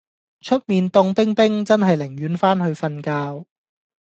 出面涷冰冰真係寧願返去瞓覺